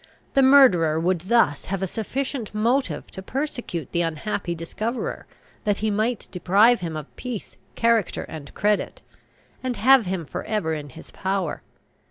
The murderer would thus have a sufficient motive to persecute the unhappy discoverer, that he might deprive him of peace, character, and credit, and have him for ever in his power.